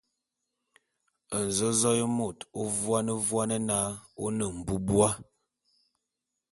Nzōzôé môt ô vuane vuane na ô ne mbubua.